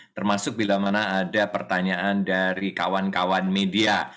termasuk bila mana ada pertanyaan dari kawan kawan media